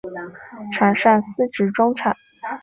场上司职中场。